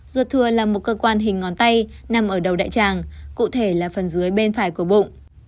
ruột thừa là một cơ quan hình ngón tay nằm ở đầu đại tràng cụ thể là phần dưới bên phải của bụng